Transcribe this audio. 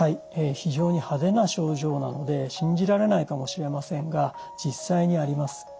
非常に派手な症状なので信じられないかもしれませんが実際にあります。